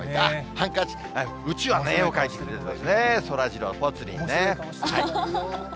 ハンカチ、うちわに絵を描いてくれたんですね、そらジロー、ぽつリンね。